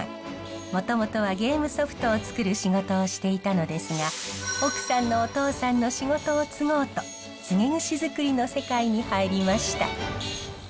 もともとはゲームソフトを作る仕事をしていたのですが奥さんのお父さんの仕事を継ごうとつげ櫛づくりの世界に入りました。